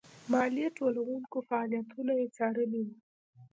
مالیه ټولوونکو فعالیتونه یې څارلي وو.